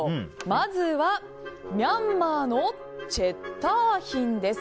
まずはミャンマーのチェッターヒンです。